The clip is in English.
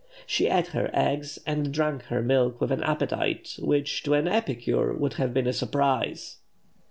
She ate her eggs and drank her milk with an appetite, which, to an epicure, would have been a surprise.